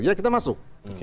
ya kita masuk